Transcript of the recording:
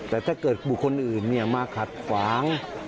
แต่ถ้าเกิดบุคคลอื่นมาขัดขวาง